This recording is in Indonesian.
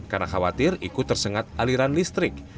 karena khawatir ikut tersengat aliran listrik